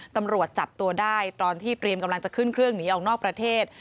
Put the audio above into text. ตำรวจจับตัวได้ตอนที่เตรียมกำลังจะขึ้นเครื่องหนีออกนอกประเทศ